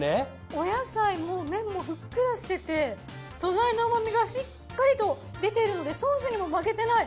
お野菜も麺もふっくらしてて素材の旨味がしっかりと出てるのでソースにも負けてない。